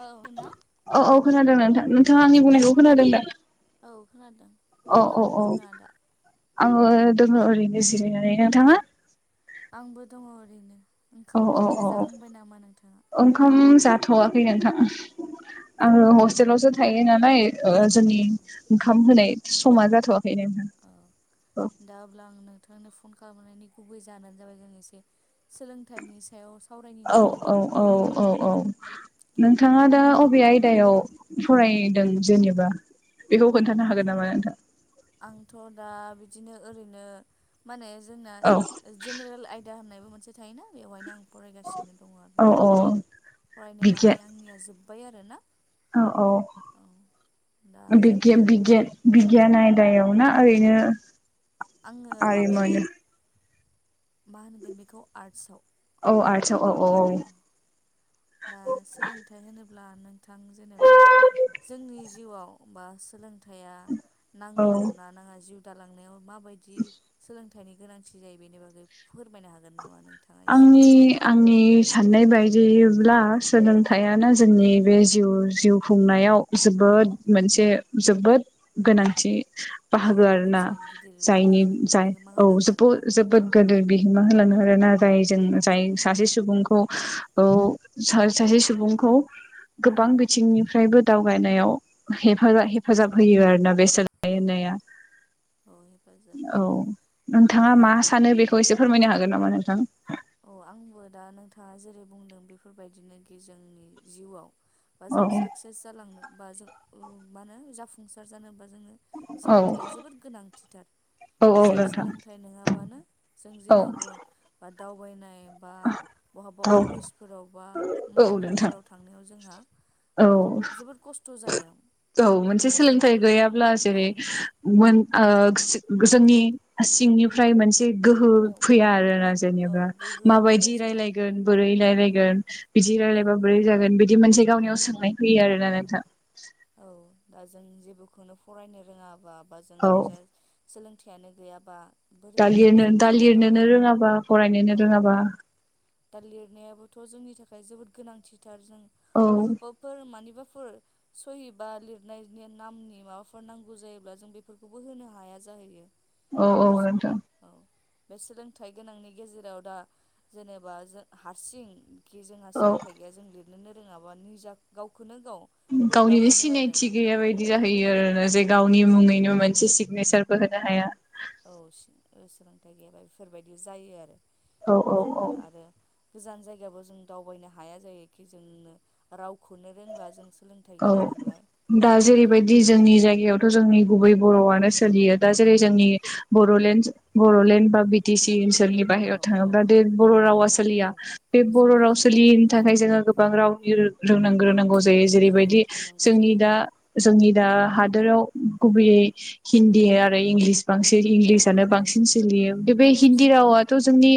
औ ना औ औ खोनादों नोंथां नोंथाङा आंनि बुंनायखौ खोनादों दा? औ खोनादों मा औ औ खालामदों औ नोंथाङा दा? आङो दोङो ओरैनो जिरायनानै नोंथाङा? आंबो दङ' ओरैनो औ औ ओंखामफोर औ जाखांबाय नामा नोंथाङा ओंखाम जाथ'वाखै नोंथां आङो हस्टेलावसो थायो नालाय औ जोंनि औ ओंखाम होनाय समा जाथ'आ औ दा अब्ला आं नोंथांनो फ फन खालामनायनि गुबै जानो जाबाय जों एसे सोलोंथाइनि सायाव सावरायनि औ नामा औ नोंथां औ औ औ नोंथाङा दा अबे आयदायाव फरायदों जेनेबा? बेखौ खोन्थानो हागोन नामा नोंथाङां? आंथ' दा बिदिनो ओरैनो माने जोंना औ जेनेरेल आयदा होननायबो मोन थायोना बेवहायनो आं फरायगासिनो दङ आरो औ औ फरायनो बिगियान माने आंनिया जोब जोब्बाय आरो ना औ औ दा बिगि जोंना बिगियान बिगियान आयदा बिदायाव ना ओरैनो आङो माबायाव आरिमु मा होनगोन बेखौ आर्टसआव औ आरटस आव औ औ औ दा सोलोंथाइ होनो अब्ला नोंथां औ जेनेबा जोंनि जिउआव बा सोलों थाइआ नांगौ औ ना नाङा जिउ दालांनायाव मा बायदि सोलोंथाइ फिथाइनि गोनांथि जायो बेनि बागै फोरमायनो हागोन नामा नोंथाङा एसे आंनि आंनि साननाय बायदिब्ला सोलोंथाइयानो जोंनि बे जिउ जिउ खुंनायाव जोबोद मोनसे जोबोद गोनांथि औ बाहागो आरो ना मोनसे गिदिर जायनि गिदिर जाय बिहोमा औ होलाङो जोबो आरोना औ जोबोद गोदो बि मा होलांनो आरो ना जाय जों जाय सासे सुबुंखौ औ सासे सुबुंखौ औ गोबां बिथिंनिफ्रायबो दावगानाय याव‌ हेफा औ हेफाजाब होयो आरोना बेसाद औ [unintelligible] औ हेफाजाब औ होयो दा नोंथाङा मा सानो बेखौ एसे फोरमायनो हागोन नामा नोंथां अ आंबो दा नोंथाङा जेरै बुंदों बेफोर बायदिनो खि जोंनि जिउआव बा औ जों साक्सेस जालांनो बा जों उम मा होनो जाफुंसार जानो बा जोंनो औ सोलोंथाइया जोबोद गोनांथिथार औ औ जों नोंथां सोलोंथाइ नङाबानो जों औ जेरावबो बा दावबायनाय बा बहाबा औ अफिसफोराव बा औ नोंथां मावख'फोराव थांनायाव जोंहा औ जोबोद खस्थ' जायो। औ मोनसे माने जों सोलोंथाइ गैयाब्ला औ जेरै मोन। ओ जोंनि सिंनिफ्राय मोनसे गोहो औ औ फैया आरोना औ जेनेबा गोहोआ गैया बायदि जायो रायलायगोन बोरै औ रायलायगोन‌ बिदि रायलायबा औ बोरै जागोन‌ बे बिदि मोनसे गावनियाव सोंनाय फैयो आरोना औ नोंथां औ दा जों जेबोखौनो फरायनो रोङाबा बा औ जोंनि जा सोलोंथायानो गैयाबा बोरै दा लिरनो जों दा जेनेबा औ लिरनोनो रोङाबा फरायनोनो औ रोङाबा बोरै दा लिरनायाबोथ' जोंनि थाखाय जोबोद गोनांथिथार जों औ बहाबाफोर मानिबा फोर सहिबा लिरनायनि नामनि माबाफोर नांगौ जायोब्ला जों बेफोरखौबो होनो हाया जाहैयो। औ औ नोंथां बे सोलोंथाइ गोनांनि गेजेराव दा जेनेबा जों हारसिं खि जोंहा औ सोलोंथाइ गैया जों लिरनोनो रोङाबा निजा गावखौनो गाव बोरैबा गावनिनो मोनो सिनायथि आरोना गैया बायदि औ जाहैयो औ आरोना जे औ गावनि औ मुङैनो मोनसे सिगनेसार बोहोनो हाया औ सोलोंथाइ गैयाबा बेफोर बायदि जायो आरो औ औ बेजोंनो औ आरो गोजान जायगाबो जों दावबायनो हाया जायोखि जों राव रावखौनो रोंला औ दा बे अ जेरै औ बायदि जोंनि जायगायावथ' जोंनि गुबै बर'आनो सोलियो दा जेरै जोंनि बर'लेण्ड बर'लेण्ड बा बि टि सि ओनोलनि बाहेरायाव औ औ थाङोब्ला बे बर' रावा औ सोलिया औ बे बर' राव सोलिया औ सोलियैनि थाखाय जोङो। गोबां रावनि रोंनां ग्रोनांगौ जायो जेरै औ बायदि रोंनांगौ जोंनि जायो दा जोंनि दा हादराव गुबैयै हिन्दी उम आरो इंलिस बांसिन औ इंलिसानो बांसिन इंराजि सोलियो बे औ हिन्दी सोलियो रावाथ' जोंनि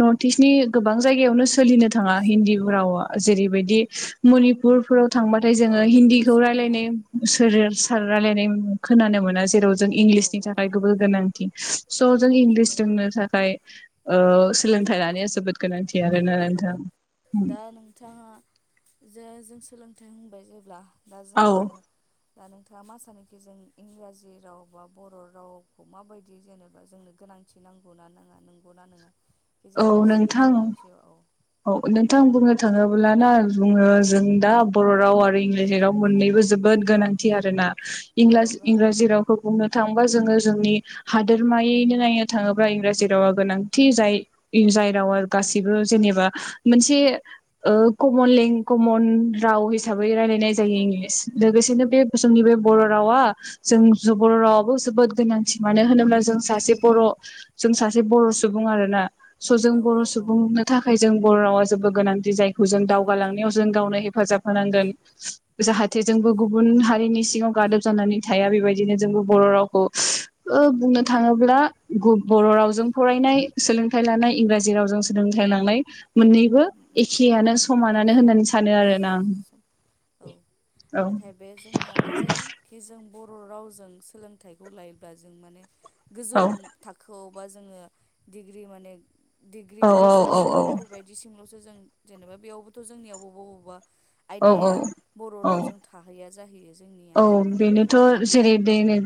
नर्थ इस्टनि गोबां जायगायावनो सोलिनो थाङा हिन्दी सोलियो रावा जेरै बायदि। मनिपुरफोराव थांबाथाय औ जोङो औ बेफोराव हिन्दीखौ रायलायनाय सोलियानो सोर सार रायलायनाय खोनानो मोना। जेराव जों औ इंलिसनि मोना थाखाय गुबुन गोनांथि स' जों गोनांथि इंलिस जायो। रोंनो थाखाय ओ सोलोंथाइ लानाया जोबोद गोनांथि आरो औ ना नोंथां। गोनां दा नोंथाङा जे जों सोलोंथाइ होनो जेब्ला दा औ जोंनो दा नोंथाङा मा सानोखि जों इंराजि राव बा बर' रावखौ माबायदि जेनेबा जोंनो गोनां। नौ ना ना नंगौ ना नङा बे औ जोंनि सोलिफु नोंथां औ नोंथां बुंनो थाङोब्ल ना बुङो जों दा बर' राव आरो इंराजि राव मोननैबो जोबोद औ गोनांथि आरोना इं औ इंराजि गोनांथि रावखौ बुंनो थांङोबा जोङो जोंनि हादोरमायैनो नायनो थाङोब्ला इंराजि रावा गोनांथि जाय जाय रावा गासिबो जेनेबा मोनसे कमन औ लें कमन राव हिसाबै रायलायनाय औ जायो औ औ इंलिस औ लोगोसेनो बे जोंनि बे बर' रावा जों बर' रावाबो जोबोद गोनांथि मानो होनोब्ला जों गोनांथि सासे बर' जों सासे बर' सुबुं आरोना। स' जों औ बर' औ औ सुबुंनो थाखाय जों बर' रावा जेबो गोनांथि जायखौ जों गोनांथि दावगालांनायाव जायो जों गावनो हेफाजाब होनांगोन औ औ जाहाथे जोंबो गुबुन हारिनि सिङाव गादब जानानै थाया बेबायदि बिदिनो जोंबो बर' रावखौ बुंनो थाङोब्ला बर' रावजों फरायनाय सोलों थाय लानाय इंराजि रावजों सोलोंथाइ लांनाय मोननैबो एखेयानो मोन समानानो होननानै सानो आरोना आं एखेयानो औ नाथाय बे जोंनिया मा जायो खि जों बर' रावजों सोलोंथाइखौ लायोब्ला जों माने गोजौ औ थाखोआव बा जोङो माने औ औ ग्रेजुवेसन औ बेफोरबायदि थिंल'सो जों जेनेबा बेयावबोथ' जोंनिया बबा बबा औ आयदाया बर' औ रावजों थाहैया जाहैयो। जोंनिया औ बेनोथ' जेरै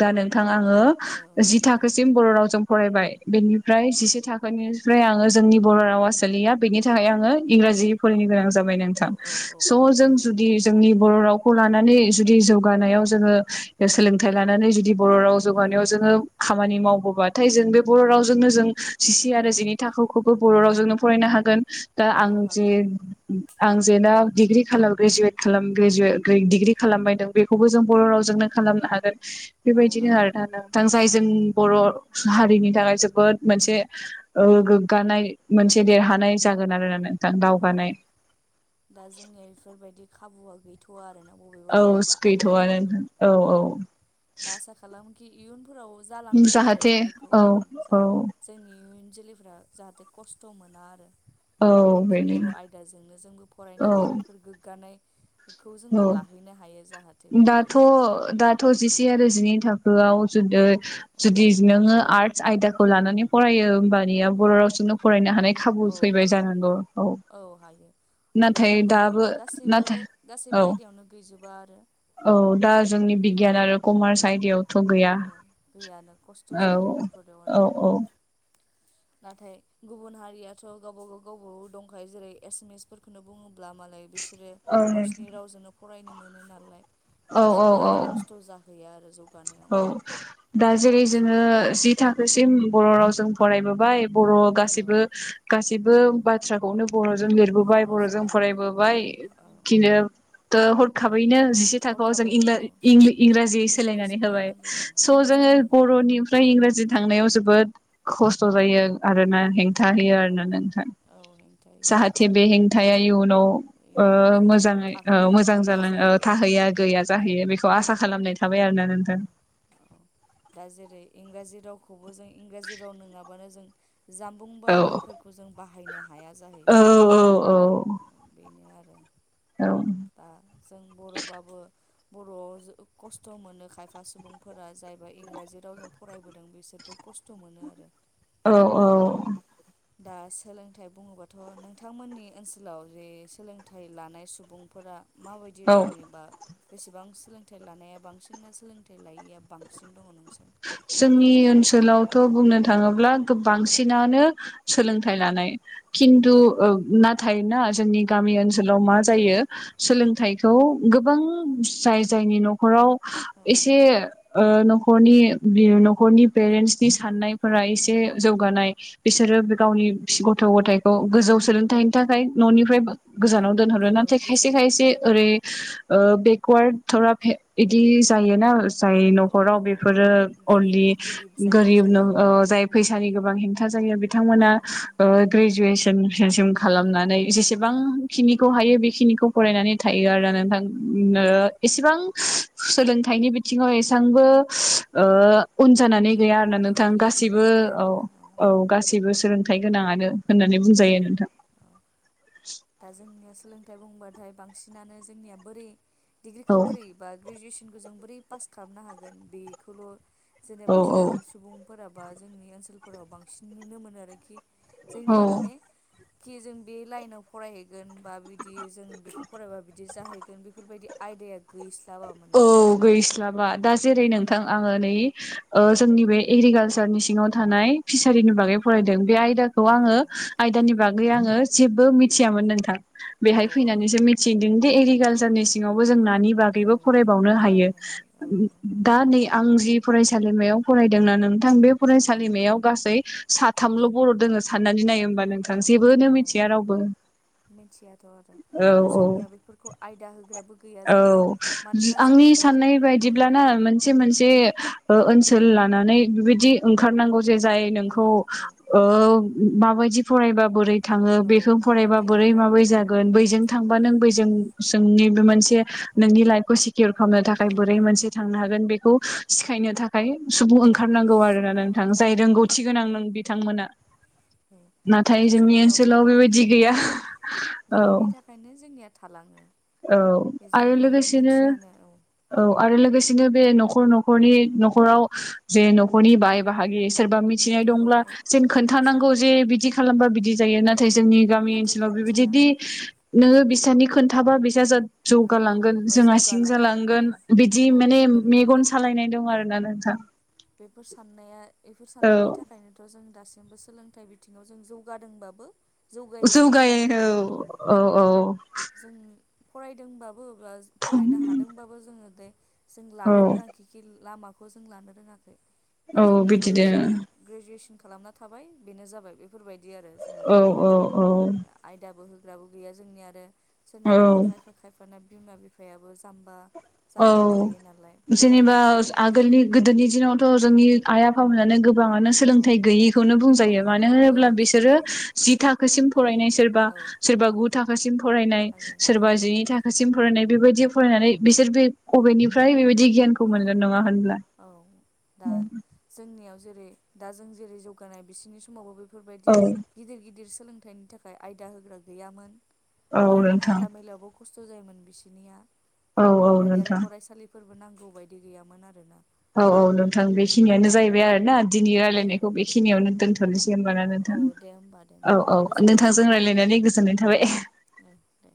दा नोंथां आङो औ जि थाखो सिम बर' रावजों फरायबाय बेनिफ्राय जिसे थाखोनिफ्राय आङो जोंनि बर' रावा सोलिया बेनि थाखाय आङो इंराजि फरायनो गोनां जाबाय औ नोंथां औ औ स' औ जों बे जुदि जोंनि बर' रावखौ लानानै जुदि जौ जौगानायाव जोङो सोलोंथाइ लानानै जुदि बर' राव औ जौगानायाव जोङो खामानि मावबोबाथाय जो बे बर' रावजोंनो जों जिसे औ आरो जिनै थाखोखौबो बर' रावजोंनो फरायनो हागोन दा औ आं जे हागोन आं जे दा डिग्रि खालाम ग्रेजुयेट खालाम्रेजु डिग्रि खालामबायदोंं बेखौबो जों औ बर' औ रावजोंनो खालामनो हागोन औ बेबायदिनो आरो हागोन दा नोंथां जायजों औ बर' हारिनि थाखाय जोबोद मोनसे गोग्गानाय मोनसे देरहानाय जागोन आरो ना। औ दावगानाय दा जोंनिया बेफोरबायदि खाबुआ गैथ'वआ आरो ना औ गैथ'आनो औ औ कि इयुनफोराव जालांगोन आरो बेफोरखौ औ जोंनि इयुन जोलैफोरा जाहाथे खस्थ' मोना आरो औ एखि बेनो बर' आयदाजोंनो जोंबो फरायनो औ मोनो बेफोर गोग्गानाय खौ जोंबो औ लाहैनो हायो जाहाथे दाथ' बेफोरबायदि दाथ' जिसे आरो जिनै थाखोयाव औ औ जुदि नोंयो आरथस आयदाखौ लाना फरायो होमबा मानिया औ बर' रावजोंनो फरायनो हानाय खाबु औ फैबाय हायो जानांगौ औ बेबो नाथाय माने दाबो गासैबो नाथाय औ गासैबो आयदायावनो गैजोबा आरो औ दा जोंनि बिगियान आरो कमार्स आयदायावथ' गैया औ गैयानो खस्थ' औ जायो बेफोराव आरो औ औ। नाथाय गुबुन हारियाथ' गावबागाव गावबागाव दंखायो जेरै एसामिसफोरखौनो बुङोब्ला अब्ला मालाय बिसोरो औ गावसिनि रावजोंनो फरायनो मोनो नालाय। औ औ बिसोरो आरो औ खस्थ' जाहैयो आरो जौ औ दा जेरै जोङो औ जि थाखोसिम बर‌' रावजों फरायबोबाय। बर‌‌' औ गासिबो गासिबो बाथ्राखौनो बर'जों लिरबोबाय, बर'जों औ लिरबोबाय फरायबोबाय औ खिनोथो हरखाबैनो जिसे थाखोआव जों हरखाबैनो इंला औ इंलि इंराजि सोलायनानै इंराजि होबाय। बाहायनांगौबां स खस्थ' जोङो मोनो आरो बरनिफ्राय इंराजि थांनायाव जोबोद खस्थ' जायो आरोना, औ हेंथा होयो आरोना नोंथां। औ हेंथा होयो औ जाहाथे बे हेंथाया इयुनाव इयुनाव ओ मोजाङै थाहैयो ओ आरो मोजां गैया जालाङो ओ जाहैयो था औ हैया गैया जाहैयो बेखौ आसा खालामनाय थाबाय आरोना नोंथां। औ दा जेरै इंराजि रावखौबो जों इंराजि राव नोङाबानो जों जामबुं बा औ मबाइलफोरखौ जों बाहायनो हाया औ जाहैयो। बेनो आरो औ दा जों बर'बाबो बर'वाव जो खस्थ' मोनो खायफा सुबुंफोरा जायबा इंराजि रावजों फरायबोदों बिसोरबो खस्थ' मोनो आरो। औ औ। दा सोलोंथाइ बुङोबाथ' नोंथांमोननि ओनसोलाव जे सोलोंथाइ लानाय सुबुंफोरा माबायदि औ रोखोमनि बा बेसेबां सोलोंथाइ लानाया बांसिन ना सोलोंथाइ लायैया बांसिन दङ? नोंसोर जोंनि फोरमायनो हागोन नामा ओनसोलावथ' बुंनो थाङोब्ला बांसिनानो सोलोंथाइ लानाय। खिन्थु औ ओ नाथ थायना, जोंनि गामि ओनसोलाव मा जायो सोलोंथाइखौ गोबां जाय जाय जायनि न'खराव औ औ एसे ओ न'खरनि न'खरनि औ पेरेन्टसनि साननायफोरा एसे से जौगानाय। बिसोरो बि औ गावनि ग थ' गथायखौ गोजौ सोलोंथाइनि थाखाय न'निफ्रायबो गोजानाव दोनहरो। औ नाथाय खायसे गोजानाव खायसे दोन ओरै ओ बेकवार्ड थरा फे इदि जायोना जाय औ औ न'खराव औ बेफोरो गोरिब अलि गोरिब जायो गोरिब न जायहा ओ जाय फैसानि गोबां हेंथा जायो बिथांमोना औ ओ ग्रेजुवेसनसिम खालामनानै जेसेबां बां खिनिखौ हायो बेखिनिखौ फरायनानै थायो औ आरो नोंथां। औ एसेबां सोलोंथाइनि बिथिङाव एसांबो ओ उन जानानै गोल गैया आरोना औ नोंथां। गोलैसोनाय गासिबो गैया औ आरोना औ गासिबो सोलोंथाइ गोनाङानो होननानै औ बुंजायो नोंथां। दा जोंनिया सोलोंथाइ बुंबाथाय बांसिनानो जोंनिया बोरै डिग्रिखौ औ बोरै बा ग्रेजुवेसनखौ जों बोरै पास खालामनो हागोन बेखौल' औ जेनेबा औ जोंनि सुबुं फोरा बा जोंनि ओनसोलफोराव बांसिन नुनो मोनो आरोखि जोंनिया औ माने खि जों बे लाइनाव फरायहैगोन बा बिदि जों बेखौ फरायबा बिदि जाहैगोन बेफोरबायदि आयदाया गैस्ला औ गैस्लाबा, दा जेरै औ नोंथां आङो नै ओ जोंनि बे एग्रिकालसारनि सिङाव थानाय औ फिसारिनि बागै फरायदों। बे आयदाखौ औ आङो आयदानि बा गै आङो जेबो मिथियामोन नोंथां। औ बेहाय फैनानैसो औ मिथिदों दि औ एग्रिकालसारनि सिङावबो जों नानि औ बागैबो फरायबावनो हायो। फरायनो हायो औ दा नै आं जि फरायसालिमायाव फरायदोंना नों थां बे औ फरायसालिमायाव गासै साथामल' बर दोङो। साननानै नाय होमबा औ नोंथां औ जेबो नो औ मिन्थिया रावबो। मिथियाथ' आरो औ दा औ जोंनियाव बेफोरखौ आयदा होग्राबो गैया औ जायो मानोना आंनि जोंनि साननाय औ बायदिब्लाना मोनसे - मोनसे ओ ओनसोल लानानै बिबायदि ओंखारनांगौ। जे जाय औ नोंखौ औ औ औ ओ‌‌ माबायदि फरायबा बोरै थाङो औ बेखौ फरायबा माबायदि बोरै बै आयदा माबोरै लाबा औ जागोन बैजों औ थांबा नों बैजों जोंनि। बे मोनसे नोंनि लाइखौ सिकिर खालामनो थाखाय औ बोरै औ मोनसे थांनो हागोन बेखौ सिखायनो थाखाय। फाय सुबुं औ ओंखारनांगौ आरो ना सुमु नोंथां जाय ओंखारनांगौ औ रोंगौथि गोनां नों बिथांमोना। नाथाय जोंनि जोंनियाव ओनसोलाव बेफोर गि बेबायदि गैया औ गैयिनि थाखायनो जोंनिया। थालाङो। औ बेजों आरो माने लोगोसेनो मोनथियानो औ औ। आरो लोगोसेनो बे न'खर न'खरनि न'खराव जे न'खरनि बाय बाहागि। सोरबा मिथिनाय औ दंब्ला औ जेन औ मोनथिनो खोन्थानांगौ दं जे बिदि खालामबा बिदि जायो औ नाथाय जोंनि गामि नाथाय ओनसोलाव। खोन्थिया बिदिदि नोङो बिसानि खोन्थाबा बिसा जा। जौगालांगोन जोंहा सिं जौगालांगोन औ जालांगोन बिदि औ माने बेफोर मेगन सालायनाय दं आरो। ना नोंथां। बेफोर साननाया बेफोर औ साननायनि थाखायनोथ' जों दासिम। जोंबो सोलोंथाइ बिथिङाव जों जौगादोंबाबो। जौगायै बायदि जानानै जौगायो दङ औ -औ -औ-। जों फरायदोंबाबो फरायनो हादोंबाबो जोङो दे। जों औ लानो रोङाखिखि लामाखौ जों लानो रोङाखै। बे औ जोंनिया बिदिनो ग्रेजु ग्रेजुवेसन खालामना थाबाय बेनो जाबाय बे। बेफोरबायदि आरो औ जोंनिया औ आयदाबो होग्राबो गैया जोंनिया आरो। सोरनाबा खायफा खायफा खायफाना बिमा बिफायाबो जाम्बा। औ जाम्बि थायो नालाय जेनेबा फरायै ओ बेफोरबायदि आगोलनि थायो गोदोनि दिनाव। थ' जोंनि आइ आफामोनानो गोब। गोबाङानो औ सोलोंथाइ गैयिखौनो औ बुंजायो मानो औ होनोब्ला बिसोरो सोलोंथाइ जि थाखोसिम फरायनाय सोरबा। औ सोरबा गु थाखोसिम। फरायनाय आरो सोरबा औ जिनै थाखासिम फरायनाय बेबायदि फरायनानै बिसोर बे अबेनिफ्राय बेबायदि। जि गियानखौ औ मोनो। औ दा जोंनियाव जेरै दा जों जेरै जौगानाय बिसिनि समावबो बे। बेफोरबायदि गिदिर गिदिर सोलोंथाइनि थाखाय आयदा होग्रा गैयामोन। बा औ नोंथां हान्था मेलायावबो खस्थ' जायोमोन बिसोरनिया औ औ बेफोरबायदि आरो नोंथां फरायसालि। जबो नांगौ बायदि गैयामोन आरोना। औ औ नोंथां बेखिनियानो जाहैबाय आरो ना दिनै औ रायज्लायनायखौ बेखिनियावनो दोनथ'नोसै। दे होनबाना औ नोंथां दे होमबा दे औ नोंथां -औ गोजोननाय -नोंथांजों थाबाय रायलायनानै गोजोननाय थाबाय। [inaudible] [inaudible] औ दे